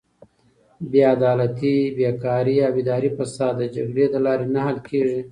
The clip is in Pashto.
بېعدالتي، بېکاري او اداري فساد د جګړې له لارې نه حل کیږي.